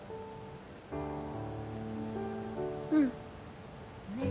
うん。